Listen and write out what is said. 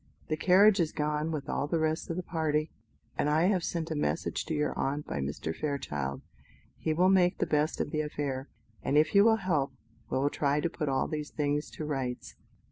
The carriage is gone with all the rest of the party, and I have sent a message to your aunt by Mr. Fairchild. He will make the best of the affair, and if you will help, we will try to put all these things to rights."